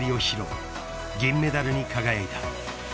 ［銀メダルに輝いた］